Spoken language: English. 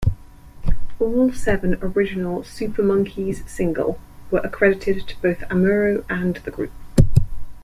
All seven original Super Monkey's single were accredited to both Amuro and the group.